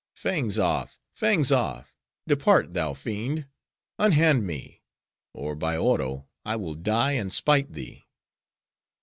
"Fangs off! fangs off! depart, thou fiend!—unhand me! or by Oro, I will die and spite thee!"